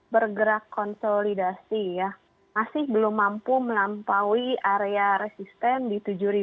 bergerak konsolidasi ya masih belum mampu melampaui area resisten di tujuh lima ratus